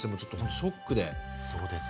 ショックで。